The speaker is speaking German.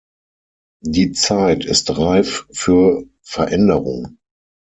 Die Zeit ist reif für Veränderung.